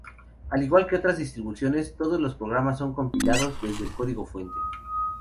Al igual que otras distribuciones, todos los programas son compilados desde el código fuente.